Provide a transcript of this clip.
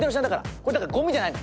これだからごみじゃないの。